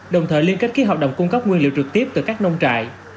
đồng thời liên kết ký hợp đồng cung cấp nguyên liệu trực tiếp từ các nông trại